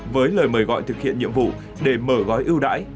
với lời mời gọi thực hiện nhiệm vụ để mở gói ưu đãi